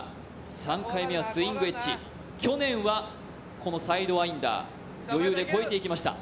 ３回目はスイングエッジ、去年はこのサイドワインダー余裕で越えていきました。